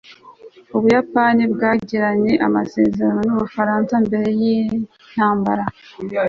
ubuyapani bwagiranye amasezerano n'ubufaransa mbere yintambara